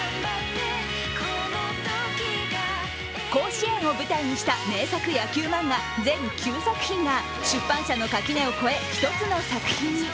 甲子園を舞台にした名作野球漫画、全９作品が出版社の垣根を越え１つの作品に。